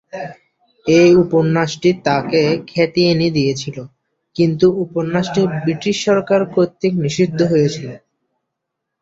এ উপন্যাসটি তাঁকে খ্যাতি এনে দিয়েছিল, কিন্তু উপন্যাসটি ব্রিটিশ সরকার কর্তৃক নিষিদ্ধ হয়েছিল।